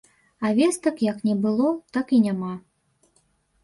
А вестак як не было, так і няма.